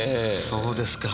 そうですか。